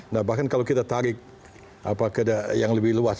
nah bahkan kalau kita tarik ke yang lebih luas